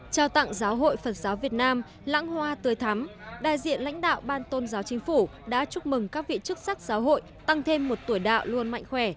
trao tặng giáo hội phật giáo việt nam lãng hoa tươi thắm đại diện lãnh đạo ban tôn giáo chính phủ đã chúc mừng các vị chức sắc giáo hội tăng thêm một tuổi đạo luôn mạnh khỏe